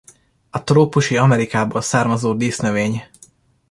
A trópusi Amerikából származó dísznövény.